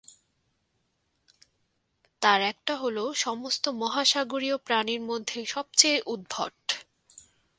তার একটা হল সমস্ত মহাসাগরীয় প্রাণীর মধ্যে সবচেয়ে উদ্ভট।